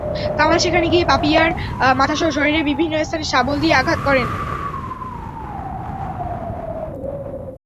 কামাল সেখানে গিয়ে পাপিয়ার মাথাসহ শরীরের বিভিন্ন স্থানে শাবল দিয়ে আঘাত করেন।